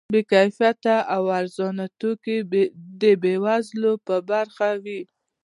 بې کیفیته او ارزانه توکي د بې وزلو په برخه وي.